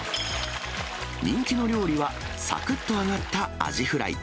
人気の料理はさくっと揚がったアジフライ。